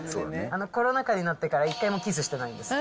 コロナ禍になってから一回もキスしてないんです。